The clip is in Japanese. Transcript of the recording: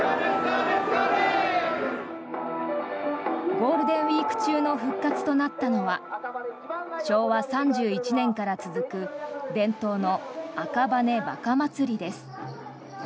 ゴールデンウィーク中の復活となったのは昭和３１年から続く伝統の赤羽馬鹿祭りです。